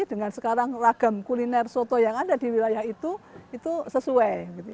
dengan sekarang ragam kuliner soto yang ada di wilayah itu itu sesuai